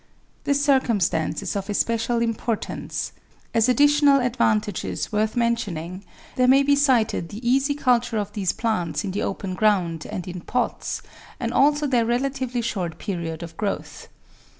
This circumstance is of especial importance. As additional advan tages worth mentioning, there may be cited the easy culture of these plants in the open ground and in pots, and also their relatively short period of growth.